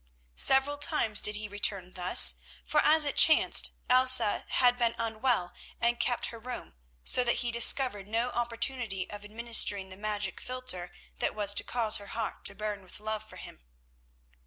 Several times did he return thus, for as it chanced Elsa had been unwell and kept her room, so that he discovered no opportunity of administering the magic philtre that was to cause her heart to burn with love for him.